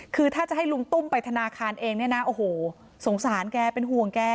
คือถ้าจะให้ลุงตุ้มไปธนาคารเองเนี่ยนะโอ้โหสงสารแกเป็นห่วงแก